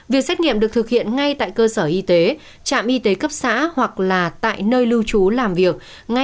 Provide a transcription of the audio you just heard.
việc xét nghiệm được thực hiện ngay tại cơ sở y tế trạm y tế cấp xã hoặc là tại nơi lưu trú làm việc